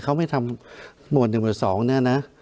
เขาไม่ทำหมวดหนึ่งหรือสองเนี่ยนะ